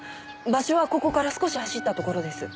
場所はここから少し走ったところです。